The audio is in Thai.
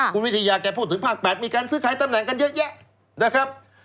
คุณวิทยาแกพูดถึงภาค๘มีการซื้อขายตำแหน่งกันเยอะแยะนะครับ